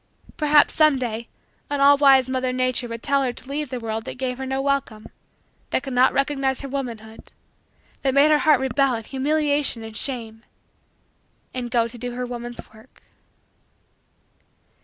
Perhaps, some day, an all wise Mother Nature would tell her to leave the world that gave her no welcome that could not recognize her womanhood that made her heart rebel in humiliation and shame and go to do her woman's work.